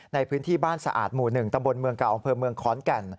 ในพื้นที่บ้านสะอาดหมู่๑ตำบลเมืองเก่าอำเภอเมืองขอนแก่น